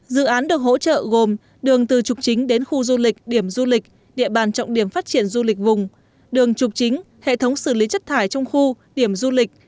dự án được hỗ trợ gồm đường từ trục chính đến khu du lịch điểm du lịch địa bàn trọng điểm phát triển du lịch vùng đường trục chính hệ thống xử lý chất thải trong khu điểm du lịch